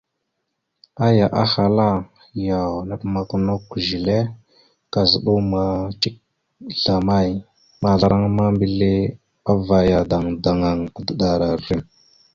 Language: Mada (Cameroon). Aya ahala: « Yaw, naɗəmakw a nakw zile, kazəɗaw amay cik zlamay? » Mazlaraŋa ma, mbile avayara dadaŋŋa, adaɗəra rrem.